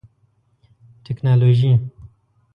ټکنالوژي